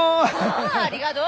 ああありがとう。